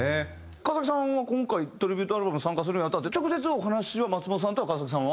川崎さんは今回トリビュートアルバム参加するに当たって直接お話は松本さんとは川崎さんは？